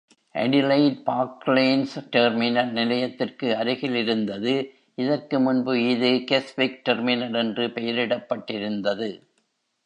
Adelaide Parklands terminal நிலையத்திற்கு அருகில் இருந்தது, இதற்கு முன்பு இது கெஸ்விக் டெர்மினல் என்று பெயரிடப்பட்டிருந்தது.